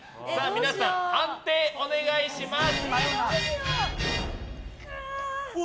皆さん、判定お願いします！